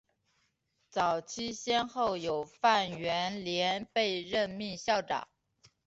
早期先后有范源濂被任命校长。